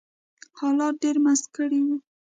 حالاتو ډېر مست کړي وو